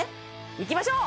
いきましょう！